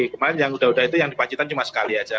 kemarin yang udah udah itu yang di pacitan cuma sekali aja